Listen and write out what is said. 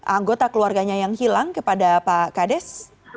anggota keluarganya yang hilang kepada pak kades